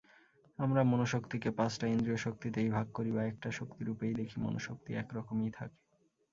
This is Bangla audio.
আমরা মনঃশক্তিকে পাঁচটা ইন্দ্রিয়শক্তিতেই ভাগ করি বা একটা শক্তিরূপেই দেখি, মনঃশক্তি এক-রকমই থাকে।